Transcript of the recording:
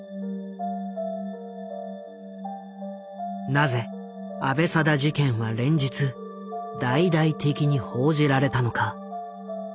なぜ阿部定事件は連日大々的に報じられたのか？